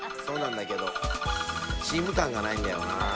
そうなんだけどチーム感がないんだよな。